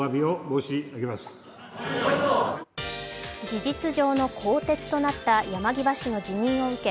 事実上の更迭となった山際氏の辞任を受け